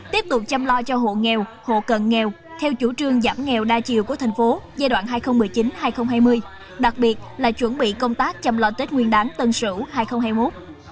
tiếp tục chăm lo cho hộ nghèo hộ cần nghèo theo chủ trương giảm nghèo đa chiều của thành phố giai đoạn hai nghìn một mươi chín hai nghìn hai mươi đặc biệt là chuẩn bị công tác chăm lo tết nguyên đáng tân sửu hai nghìn hai mươi một